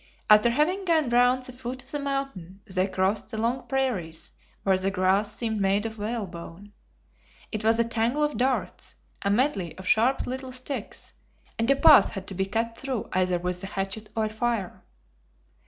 After having gone round the foot of the mountain, they crossed the long prairies where the grass seemed made of whalebone. It was a tangle of darts, a medley of sharp little sticks, and a path had to be cut through either with the hatchet or fire.